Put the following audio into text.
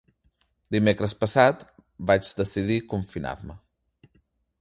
Dimecres passat vaig decidir confinar-me.